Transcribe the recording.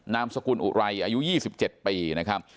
นามสกุลอุไรอายุ๒๗ปีนะครับ